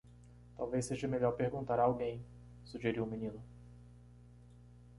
"Talvez seja melhor perguntar a alguém?" sugeriu o menino.